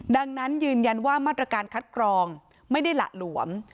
ดังนั้นยืนยันว่ามาตรการคัดกรองไม่ได้หละหลวม